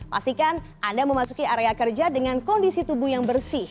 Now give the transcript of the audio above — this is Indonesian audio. pastikan anda memasuki area kerja dengan kondisi tubuh yang bersih